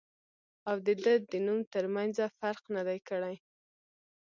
او د دۀ د نوم تر مېنځه فرق نۀ دی کړی